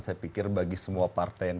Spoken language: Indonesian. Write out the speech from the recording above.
saya pikir bagi semua partai yang